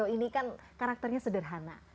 ini kan karakternya sederhana